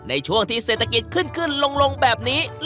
ในช่วงที่เศรษฐกิจขึ้นขึ้นลงแบบนี้